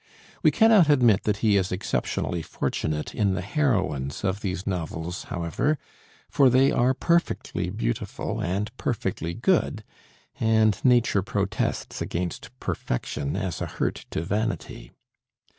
We cannot admit that he is exceptionally fortunate in the heroines of these novels, however, for they are perfectly beautiful and perfectly good, and nature protests against perfection as a hurt to vanity.